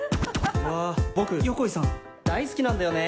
僕、横井さん、大好きなんだよね。